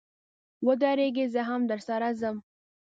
و درېږئ، زه هم درسره ځم.